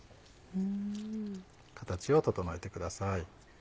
形を整えてください。